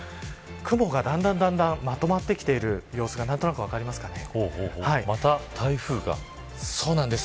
雲がだんだんまとまってきている様子が分かりますかね。